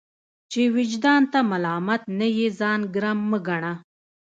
چي وجدان ته ملامت نه يې ځان ګرم مه ګڼه!